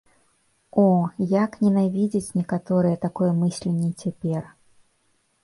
О, як ненавідзяць некаторыя такое мысленне цяпер.